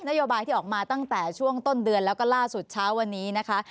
โยบายที่ออกมาตั้งแต่ช่วงต้นเดือนแล้วก็ล่าสุดเช้าวันนี้นะคะ